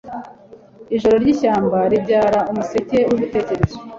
Ijoro ryishyamba ribyara umuseke wibitekerezo